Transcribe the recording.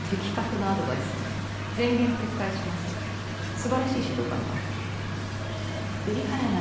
素晴らしい指導官だわ。